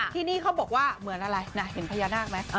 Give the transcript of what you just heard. ที่นี่เขาบอกว่าเหมือนอะไรนะเห็นพญานาคไหม